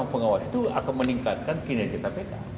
pengawas itu akan meningkatkan kinerja kpk